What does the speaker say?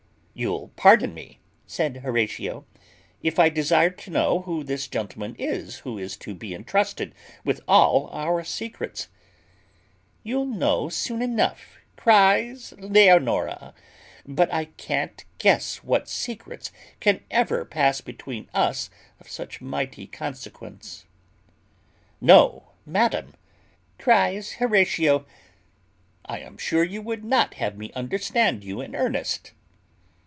"You'll pardon me," said Horatio, "if I desire to know who this gentleman is who is to be entrusted with all our secrets." "You'll know soon enough," cries Leonora; "but I can't guess what secrets can ever pass between us of such mighty consequence." "No, madam!" cries Horatio; "I am sure you would not have me understand you in earnest."